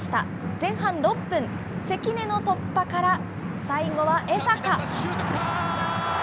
前半６分、関根の突破から、最後は江坂。